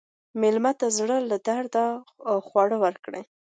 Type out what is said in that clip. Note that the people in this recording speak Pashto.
مېلمه ته د زړه له درده خواړه ورکړه.